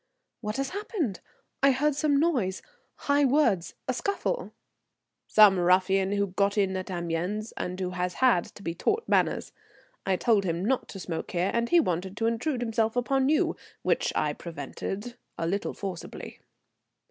"What has happened? I heard some noise, high words, a scuffle." "Some ruffian who got in at Amiens, and who has had to be taught manners. I told him not to smoke here, and he wanted to intrude himself upon you, which I prevented, a little forcibly."